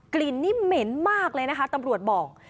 กลิ่นนี่เหม็นมากเลยนะคะตำรวจบอก